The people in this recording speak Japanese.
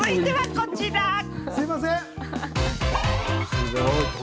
すみません。